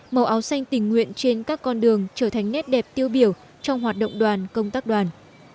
màu áo xanh tình nguyện trên các con đường trở thành nét đẹp tiêu biểu trong hoạt động đoàn công tác đoàn